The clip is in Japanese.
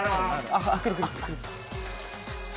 あっ来る来る来る。